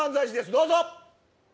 どうぞ。